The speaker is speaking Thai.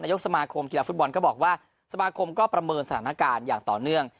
ยกสมาคมกีฬาฟุตบอลก็บอกว่าสมาคมก็ประเมินสถานการณ์อย่างต่อเนื่อง